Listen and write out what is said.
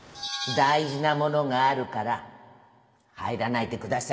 大事なものがあるから入らないでください。